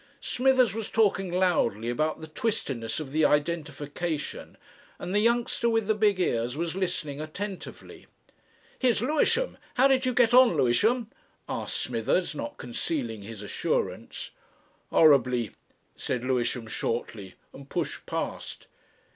Smithers was talking loudly about the "twistiness" of the identification, and the youngster with the big ears was listening attentively. "Here's Lewisham! How did you get on, Lewisham?" asked Smithers, not concealing his assurance. "Horribly," said Lewisham shortly, and pushed past.